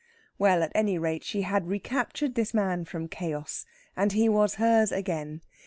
Well, at any rate, she had recaptured this man from Chaos, and he was hers again.